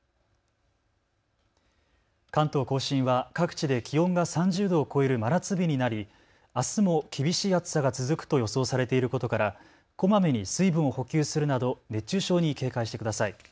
関東甲信は各地で気温が３０度を超える真夏日になりあすも厳しい暑さが続くと予想されていることからこまめに水分を補給するなど熱中症に警戒してください。